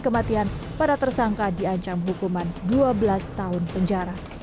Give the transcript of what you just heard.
kematian para tersangka diancam hukuman dua belas tahun penjara